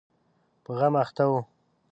په غم اخته و.